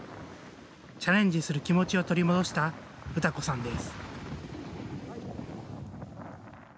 チャレンジする気持ちを取り戻した詩子さんです。